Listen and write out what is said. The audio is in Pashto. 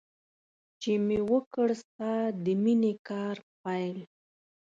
چې مې وکړ ستا د مینې کار پیل.